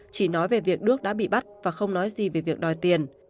chỉ nói về việc đức đã bị bắt và không nói gì về việc đòi tiền